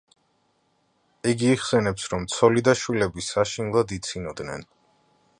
იგი იხსენებს, რომ ცოლი და შვილები საშინლად იცინოდნენ.